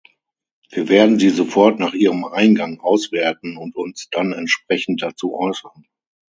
Wir werden sie sofort nach ihrem Eingang auswerten und uns dann entsprechend dazu äußern.